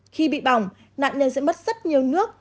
khi bị bỏng nạn nhân sẽ mất rất nhiều nước